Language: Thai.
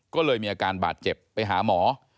ก็เลยมีอาการบาดเจ็บไปหาหมอ